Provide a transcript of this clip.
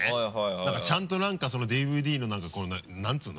なんかちゃんとＤＶＤの何ていうの？